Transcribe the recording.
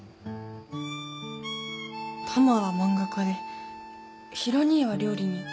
タマは漫画家でヒロ兄は料理人。